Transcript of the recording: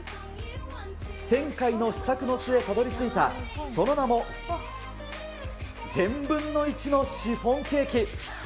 １０００回の試作の末たどりついた、その名も、１／１０００のシフォンケーキ。